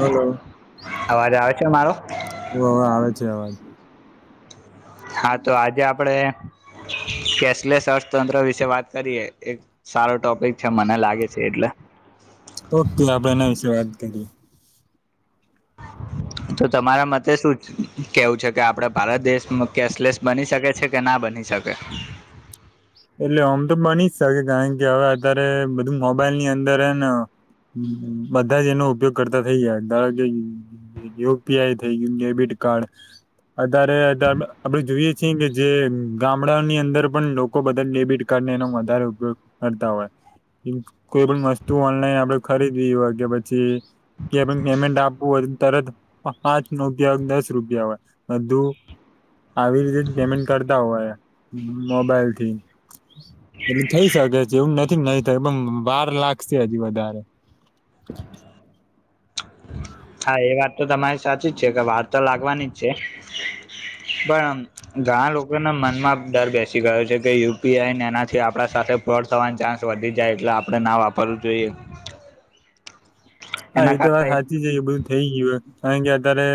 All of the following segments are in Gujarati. હલો અવાજ આવે છે મારો? ઓ હવે આવે છે અવાજ હા તો આજે આપડે કેશલેસ અર્થતંત્ર વિશે વાત કરીએ એક સારો ટોપિક છે મને લાગે છે એટલે ઓકે આપણે એના વિશે વાત કરીએ તો તમારા મતે શું કેવું છે કે આપડે ભારત દેશમાં કેશલેસ બની શકે છે કે ના બની શકે બે એટલે આમ તો બની શકે કારણ કે હવે અત્યારે બધું મોબાઈલ ની અંદરને બધા જ એનો ઉપયોગ કરતા થઇ જાય દાળ ક યુપીઆઈ થઈ ગયું ડેબિટ કાર્ડ અત્યારે અત્યારે આપડે જોઈએ છીએ કે જે ગામડાની અંદર પણ લોકો લોકો બલ ડેબિટ કાર્ડને એનો વધારે ઉપયોગ કરતા હોય કોઈ પણ વસ્તુ ઓનલાઈન આપડે ખરીદી હોય કે પછી. કે પેમેન્ટ આપવું હોય તરત પાંચ નો ઉપયોગ દસ રૂપિયા હોય બધુ આવી રીતે જ પેમેન્ટ કરતા હોય મોબાઈલ એટલે થઈ શકે છે એવું નથી નહી થમ બાર લાખ છે હજી વધારે હા એ વાત તો તમારી સાચી જ છે કે વાત તો લાગવાની જ છે પણ ઘણા લોકોના મનમાં ડર બેસી ગયો છે કે યુપીઆઈને એનાથી આપણા સાથે ફોડ થવાની ચાન્સ વધી જાય એટલે આપણે ના વાપરવું જોઈએ હા એના એ તો વાત કારણે સાચી જઈ બધું થઈ ગયું કારણ કે અત્યારે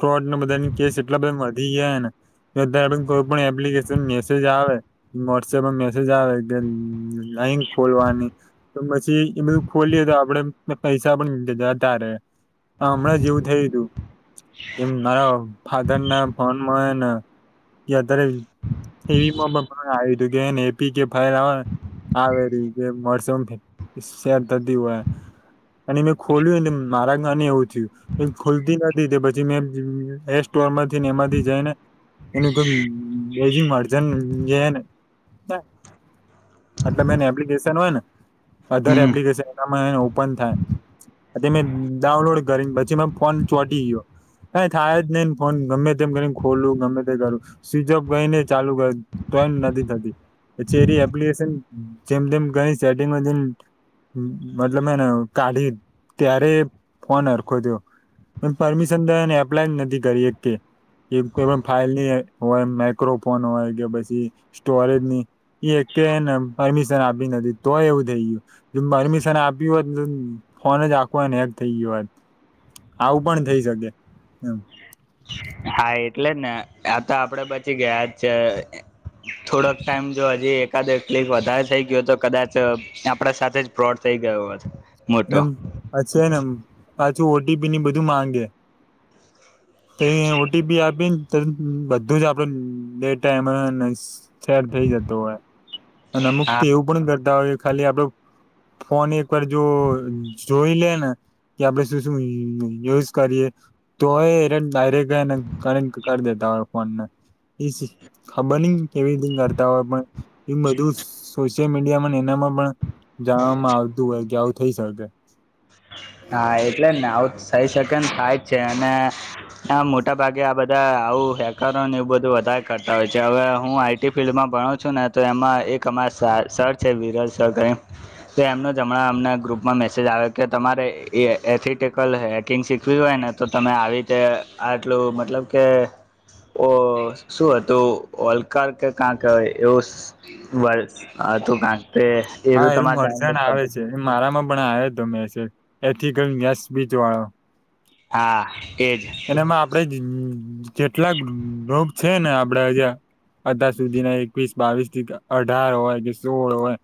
ફ્રોડ ન બધા કેસ એટલા બધા વધી ગયાને બધાડ કોઈ પણ એપ્લિકેશન મેસેજ આવે વોટ્સએપમાં મેસેજ આવે કે લઈ ખોલવાની. પછી એ બધું ખોલીએ તો આપડે પૈસા પણ જતા ર હા હમણાં જ જેવું થયું હતું એમ મારા ફાધર ના ભનમાંને કે અત્યારે એવી પણ આવ્યુંું કે એપી કે ફાયર આવે ર જે મોસમ શેર થતી હોય અને મેં ખોલ્યું ને મારા ગને એવું થયું. એ ખુલતી નથી તે પછી મે એ સ્ટોર માંથી ને એમાંથી જાય ને. એજિંગ. જે એટલે બે એપ્લિકેશન હોય ને. અધારે હમ એપ્લિકેશન એનામાં ઓપન થાય. મેં ડાઉનલોડ કરીને પછી મે ફોન ચોટી ગયો. ક થાય જ નઈને ફોન ગમે તેમ કરીને ખોલું ગમે તે કરું. સિજપ ગઈને ચાલુ ગયો તોયને નથી થતી. પછ એ એપ્લિકેશન જેમ જેમ ગણી સેટિંગ મતલબ હને. કાઢી ત્યારે ફોન હરખો દ્યો. પણ પરમિશન દ એપ્લાય નથી કરી એક કે. એ કો ફાઇલ ની હોય માઈક્રોફોન હોય કે પછી સ્ટોરેજની. એ એક કેને પરમિશન આપી નથી તોય એવું થઈ ગયું પરમિશન આપ્યું હોત. ફોન જ આખુ ને હેક થઈ ગયો હે આવું પણ થઇ શકે એમ. હા એટલે જ ને આ તો આપડે પછી ગયા જ છે. થોડોક ટાઈમ જો હજી એકાદ એકલીફ વધારે થઈ ગયો તો કદાચ. આપણે સાથે ફ્રોડ થઈ ગયો હતો. એમ પાછું એમ ઓટીપી ની બધું માંગે. તે ઓટીપી આપીને તે બધું જ આપડુ ડેટા એમાં. શેર થઈ જતો હોય. અને અમુક હા એવું પણ કરતા હોય ખાલી આપડો ફોન એક વાર જો. જોઈ લે ને કે આપડ શું શું યુઝ કરીએ. તોય એ ડાયરેક્ટને કર કરી દેતા હોય ફોન ને. ખબર ન કેવી રીત કરતા હોય પણ એ બધું સોશિયલ મીડિયા એનામાં પણ. જવામાં આવતું હોય કે આવું થઇ શકે. હા એટલે જ ને આવું સહી સેકન્ડ થાય જ છે અને. મોટા ભાગે આ બધા આવું હેકરોને એવું બધું વધારે કરતા હોય છે હવે હું આઈટી ફિલ્ડમાં ભણો. છું ને તો એમાં એક અમારા સર સર છે વિરલ સર એમ. એમનો જ હમણાં અમના ગ્રુપમાં મેસેજ આવ્યો કે તમારે. એ એથેટિકલ હેકિંગ શીખવી હોય ને તો તમે આવી રીતે આટલું મતલબ કે. ઓ શું હતું ઓલકાર કે કાં કેય એવું. વર્ષ તો કાંક એ હા રું એનું તમારે મરસાણ ડાઉનલોડ કર. આવે એ મારામાં પણ આયો તો મેસેજ એથીકલ નેસ બીચ વાળો. હા એજ. એમાં આપડે જેટલાક ગ્રુપ છે ને આપડેજ. અત્યાર સુધીના એકવીસ બાવીસ થી અઢાર હોય કે સોળ હોય.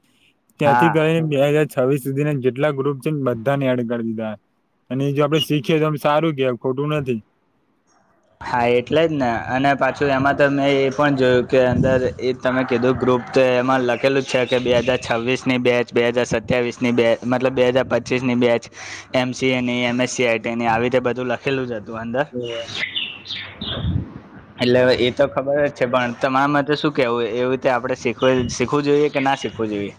હા ત્યાંથી કરીને બે હાજાર છવ્વીસ સુધીને જેટલા ગ્રુપ છે બધા ને એડ કરી દીધા. અને એ જો આપડ શીખીએ તો સારું કે ખોટું નથી. હા એટલે જ ને અને પાછું એમાં તો મેં એ પણ જોયું કે અંદર તમે કીધું ગ્રુપ તો એમાં લખેલું છે કે બે હજાર છવ્વીસની બેચ બે હજાર સત્યાવીસની બેચ. મતલબ બે હજાર પચ્ચીસ ની બેચ એમસી એની એમએસ સઆઈટીની આવી રીતે બધું લખ. ખેલું જતું અંદર. હેલો એ તો ખબર જ છે પણ તમારા માટે શું કેવું એવી રીતે આપડે શીખ. કોઈ શીખવું જોઈએ કે ના શીખવું જોઈએ.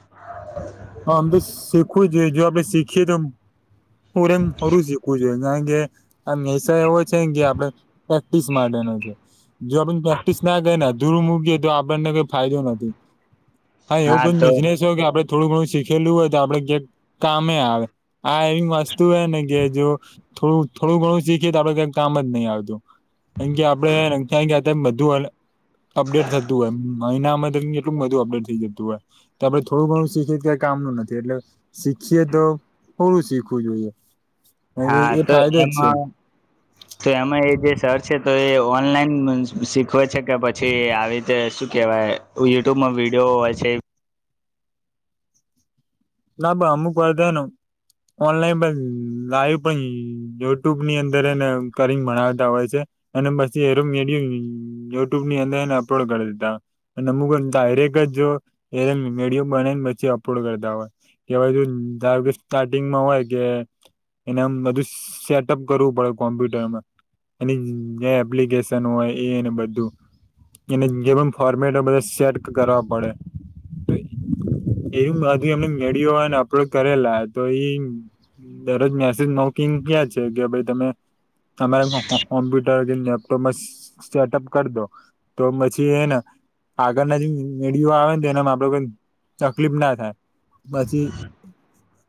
હ અમ તો શીખવું જોઈએ જો આપડે શીખીએ તો. પરે એમ હરું શીખવું જોઈએે. આ મિસ એવો છે કે આપડ પ્રેક્ટિસ માટેનો છે. જો આપને પ્રેક્ટિસ ના કરી અધુરું મૂકીએ તો આપણને કઈ ફાયદો નથી. હા એવું કોઈ બિઝનેસ હોય કે આપડે થોડું ઘણું. શીખેલું હોય તો આપડે ક કામે આવે આ એવી વસ્તુ હ ને કે જો. થોડું થોડું ઘણું શીખીએ તો આપડે કઈક કામ જ નહી આવતું. કા કે આપડે ક બધું અપડેટ થતું એમ. મહિનામાં એટલું બધું અપડેટ થઈ જતું હોય તો આપડે થોડું ઘણું શીખી. કામનું નથી એટલે શીખીએ તો થોડું શીખવું જોઈએ કારણ કે હા એ તો ફાયદો જ છે એમાં તો એમાં એ જે સર છે તો એ ઓનલાઈન શીખવે છે કે પછી આવી રીતે શું કેહેવાય યુટ્યુબમાં વિડીયો હોય છે ના પણ અમુક વાધય નો. ઓનલાઈન પણ લાઈવ પણ યુટ્યુબ ની અંદર એને કરીને ભણાવતા હોય છે. અને પછી એનુ વિડીયો યુટ્યુબ ની અંદર એને અપલોડ કરી દીધા. અને અમુક ડાયરેક જ જો એ વિડીયો બનાને પછી અપલોડ કરતા હોય. કેવાય ત સ્ટાર્ટિંગમાં હોય કે. એને આમ બધું સેટઅપ કરવું પડે કોમ્પ્યુટરમાં. એની જે એપ્લિકેશન હોય એને બધું એને જે પણ ફોર્મેટ બધા સેટ કરવા પડે એજુ એમને મેડિયોને અપલોડ કરેલા તો એ દરરોજ મેસેજ નોકિંગ કયા છે કે ભાઈ તમે તમા કોમપ્યુટર કે લેપટપમાં સ્ટાર્ટઅપ કર દો તો પછી એને આગળના જે મેડીઓ આવે ને એનામાં આપડ કોઈ તકલીફ ના થાય પછી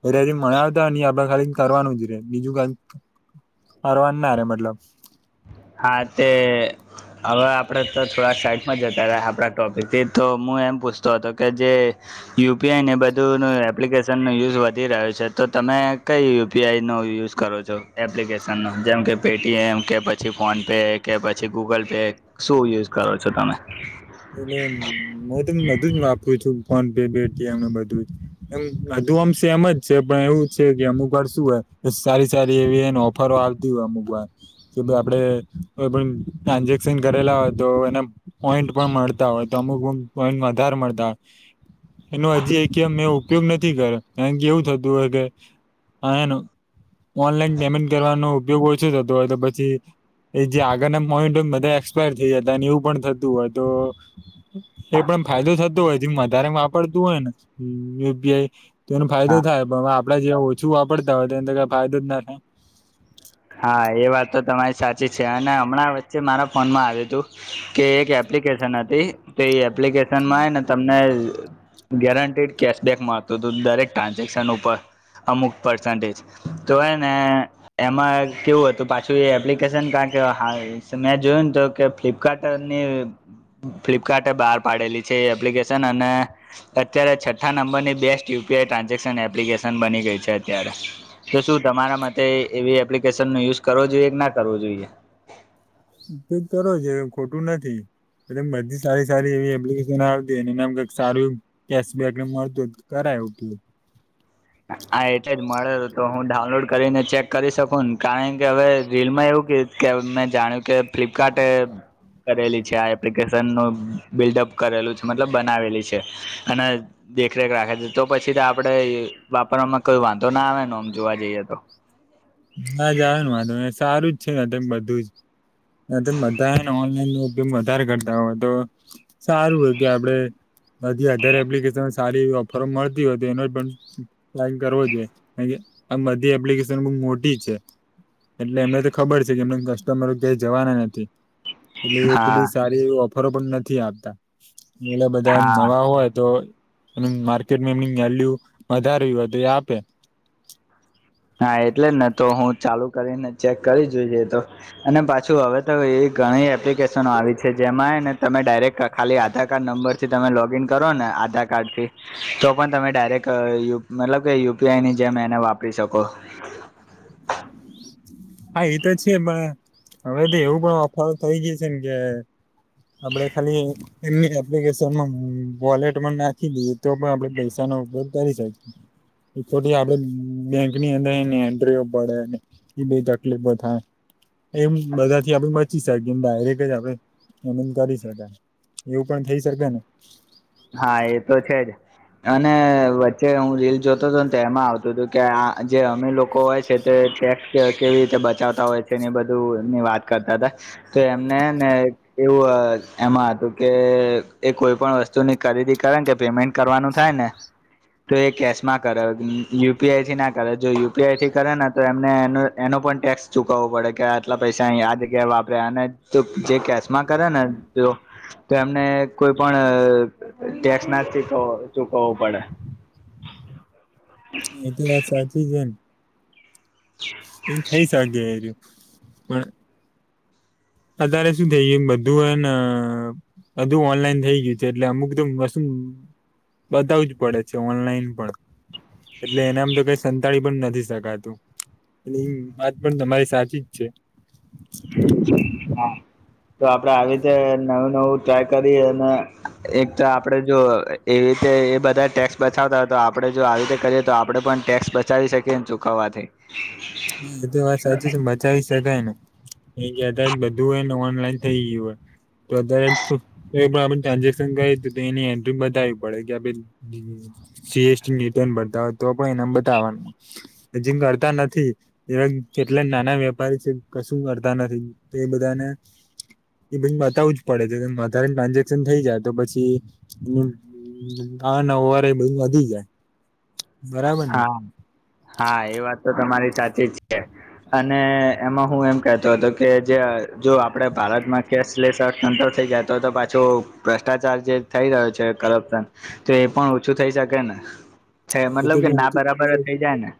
અ મળ આવતા આપડ ખાલી કરવાનું જ રે બીજું ક અવા ના રે મતલબ હા તે હવે આપડ તો થોડા સાઈટમાં જતા રહ્યા આપણા ટોપિકથી તો હું એમ પૂછતો હતો કે જે યુપીઆઈ ને બધું ન એપ્લિકેશન ન યુઝ વધી રહ્યો છે તો તમે કઈ યુપીઆઈ નો યુઝ કરો છો એપ્લિકેશન ન જેમ કે પેટીએમ કે પી પછી ફોન પે કે પછી ગૂગલ પે શું યુઝ કરો છો તમે એટલે હું તો બધું જ વાપરું છું ફોન પે પેટીએમને બધું જ એમ હધુ આમશેે એમ જ છે પણ એવું છે કે અમું કરશું હોય સારી સારી એવી એ ફરવા આવતી મોબલ કે ભાઈ આપડે કો પણ ટ્રાન્ઝેક્શન કરેલા હોય તો એના પોઈન્ટ પણ મળતા હોય તો અમુક વધારે મળતા હોય એનો હજી મેં ઉપયોગ નથી કર્યો કાર કે એવું થતું હો કે હા એનું ઓનલાઈન પેમેન્ટ કરવાનો ઉપયોગ ઓછો થતો હોય તો પછી એ જે આગળના પોઈન્ટય બધા એક્સપાયર થઈ જતા એવું પણ થતું હોય તો એ પણ ફાયદો થતો હોય વધારે વાપરતું હોય નેઆ તો એનો ફાયદો હા થાય પણ હવે આપડ જેવા ઓછું વાપરતા હોય તો એને કઈ ફાયદો જ ના થાય હા એ વાત તો તમારી સાચી છે અને હમણાં વચ્ચે મારા ફોનમાં આવ્યું તું કે એક એપ્લિકેશન હતી તો એ એપ્લિકેશન માંય ને તમને ગેરેંન્ટિડ કેશબેક માંતું હતું દરેક ટ્રાન્ઝેક્શન ઉપર અમુક પર્સન્ટેજ તો હ ને એમાં કેવું હતું પાછું એ એપ્લિકેશન કારણ કે મેં જોયું ને તો કે ફ્લિપકાર્ટની ફ્લિપકાર્ટ એ બહાર પાડેલી છે એ એપ્લિકેશન અને અત્યારે છઠ્ઠા નંબરની બેસ્ટ યુપીઆઈ ટ્રાન્ઝેક્શન એપ્લિકેશન બની ગઈ છે અત્યારે તો શું તમારા મતે એવી એપ્લિકેશન નો યુઝ કરવો જોઈએ કે ના કરવો જોઈએ ઉપયોગ કરો છે ખોટું નથી બધી સારી સારી એવી એપ્લિકેશન આવતી એનેમ કઈક સારું કેશબેક મળતો હો કરાય એવું કેું હા એટલે જ મળે તો હું ડાઉનલોડ કરીને ચેક કરી શકું ને કારણ કે હવે રીલ માં એવું ક કે મેં જાણ્યું કે ફ્લિપકાર્ટ એ કરેલી છે આ એપ્લિકેશન નું બિલ્ડઅપ કરેલું છે મતલબ બનાવેલી છે અને. દેખરેખ રાખે છે તો પછી તો આપડે વાપરમાં કોઈ વાંધો ના આવે ન આમ જોવા જઈએ તો. નાા જાણ વાંધ સારું જ છે ને બધું જ બધા ને ઓનલાઈન. વધારે કરતા હોય તો સારું હોય કે આપડે બધી અધર એપ્લિકેશન સારી ઓફર મળતી હોય તો એનો પણ પલાન કરવો જોઈએ કા આ બધી એપ્લિકેશન મો તે છે, એટલે એમને તો ખબર છે, કે એમ કસ્ટમરો ક્યા જવાના નથી એટલે એટલી બધી હા સારી એ ઓફરો પણ નથી આપતા. બોલે બધા હા નવા હોય તો. એ માર્કેટમાં એમની વલ્યુ વધારે તો એ આપે. હા એટલે જ ને તો હું ચાલુ કરીને ચેક કરી જોઈ છે તો. અને પાછું હવે તો એવી ઘણી એપ્લિકેશનો આવી છે જેમાંને તમે ડાયરેક્ટ. ખાલી આધાર કાર્ડ નંબર થી તમે લોગ ઇન કરો ને આધાર કાર્ડ થી. તો પણ તમે ડાયરેક્ટ મતલબ કે યુપીઆઈની જેમ એને વાપરી શકો હા એ તો છે, પણ હવે તો એવું પણ ઓફર થઈ ગઈ છે, જેમ કે આપડે ખાલી એમની એપ્લિકેશનમાં વોલેટમાં નાખી દઈએ તો પણ આપે પૈસાનો ઉપયોગ કરી શકી [unintelligible] આપડે બેંક ની અંદર એન્ટ્રીઓ પડે એ બે તકલી બ થાય એમ બધાથી આપડી બચી શકીએ એમ ડાયરેક્ટ જ આપડે એમ કરી શકાય એવું પણ થઇ શકે ને હા એ તો છે, જ અને વચ્ચે હું રીલ જોતો તો ન તો એમાં આવતું હતું કે આ જે અમે લોકો હોય છે. તે ટેક્સ કેવી રીતે બચાવતા હોય છે, એ બધું ની વાત કરતા હતા તો એમને ને એવું એમાં હતું કે એ કોઈ પણ વસ તુની ખરીદી કરેન કે પેમેન્ટ કરવાનું થાય ને તો એ કેશ માં કરે યુ પી આઈ થી ના કરે જો યુ પી આઈ થી કરે ને તો એમને એનું એનો પણ ટેક્સ ચુકવવો પડે કે આટલા પૈસા અહી આ જગ્યા વાપરે અને જો જે કેશમાં કરે ને તો એમને કોઈ પણ ટેક્સ ના તો ચુકવો ચુકવવું પડે એ તો વાત સાચી છે, ન એ થઈ શકે પણ અત્યારે શું થઈ ગયું બધું એને અધું ઓનલાઈન થઇ ગયું છે, એટલે અમુક તો બધાવુ જ પડે છે, ઓનલાઈન પણ એટલે એના આમ થયુ કે સંતાળી પણ નથી સકાતું વાત પણ તમારી સાચી જ છે. હા. તો આપડે આવી રીતે નવું નવું ટ્રાય કરી અને એક તો આપડે જો એવી રીતે એ બધા ટેક્સ બચાવતા હોય તો આપણે જો આવી રીતે કરીએ તો આપણે પણ ટેક્સ બચાવી શકીએ ને ચૂકવવાથી હ. એ તો વાત સાચી છે, બચાવી શકાય ને એ ગતા બધું હોય ને ઓનલાઈન થઈ ગયું હોય બધા એમ તો પણ આપણે ટ્રાન્ઝેક્શન કરી તો એની એન્ટ્રી બતાવી પડે કેે સીએસટી રિટર્ન ભરતા હોય તો પણ એના બતાવવાનું હજિંગ કરતા નથી એવા કેટલા નાના વેપારી છે, કશું કરતા નથી તો એ બધાને એ બ બતાવું જ પડે છે, વધારે ટ્રાન્ઝેક્શન થઈ જાય તો પછી હા ના ઓવારે બધુ વધી જાય બરાબર ને હા હા એ વાત તો તમારી સાચી જ છે. અને એમાં હું એમ કહેતો હતો કે જે જો આપડે ભારતમાં કેશલેસ અ ધંધો થઈ ગાય તો તો પાછો ભ્રષ્ટાચાર જે થઈ રહ્યો છે, કરપ્શન તો એ પણ ઓછું થઈ શકે ને છે, એ તો મતલબ કે ના બરાબર થઈ જાય ને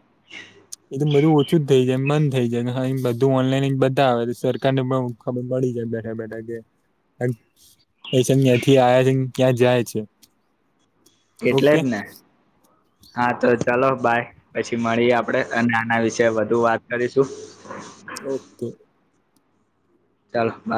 એ તો બધું ઓછું જ થઈ જાય મન થઈ જાય બધું ઓનલાઈન બધા આવે સરકાર ને બ ખબર પડી જાય બેઠા બેઠા કે એ છે, અયાંથી આયા છે, ક્યાં જાય છે. એટલે જ ઓકે ને હા તો ચાલો બાય પછી મળીએ આપડે. અને આના વિશે વધુ વાત કરીશું. ઓકે. ચાલ બા